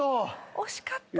惜しかった。